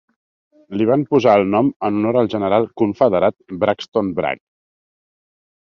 Li van posar el nom en honor al general confederat Braxton Bragg.